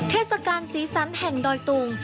เทศกาลสีสันแห่งดอยตุง